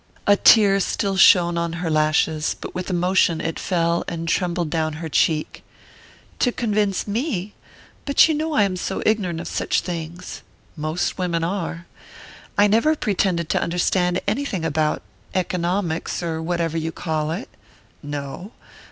A tear still shone on her lashes, but with the motion it fell and trembled down her cheek. "To convince me? But you know I am so ignorant of such things." "Most women are." "I never pretended to understand anything about economics, or whatever you call it." "No."